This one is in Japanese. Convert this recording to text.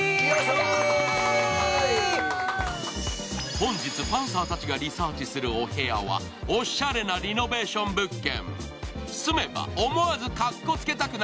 本日パンサーたちがリサーチするお部屋はおしゃれなリノベーション物件。